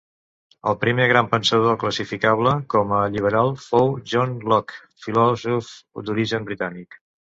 El primer gran pensador classificable com a liberal fou John Locke, filòsof d'origen britànic.